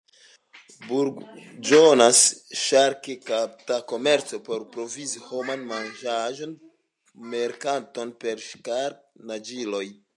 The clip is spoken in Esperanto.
Burĝonas ŝark-kapta komerco por provizi homan manĝaĵo-merkaton per ŝark-naĝiloj.